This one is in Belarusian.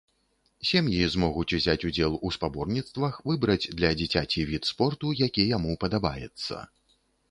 Сем'і змогуць узяць удзел у спаборніцтвах, выбраць для дзіцяці від спорту, які яму падабаецца.